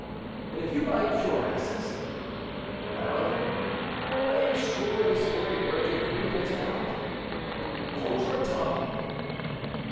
"And if you buy cuirasses—" "Well!" "I am sure it is for a work agreeable to God." "Hold your tongue!"